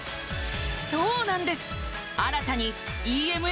そうなんです